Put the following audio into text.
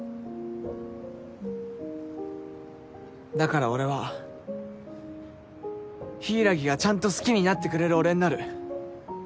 だから俺は柊がちゃんと好きになってくれる俺になる。